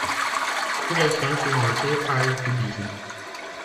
Il reste influencé par le cubisme.